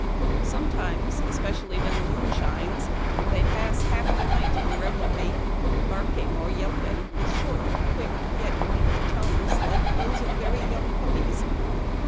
Sometimes, especially when the moon shines, they pass half the night in revelry, barking, or yelping with short, quick, yet weak tones, like those of very young pup pies.